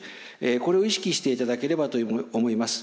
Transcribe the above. これを意識していただければと思います。